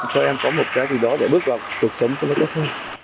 cho em có một giá trị đó để bước vào cuộc sống cho nó tốt hơn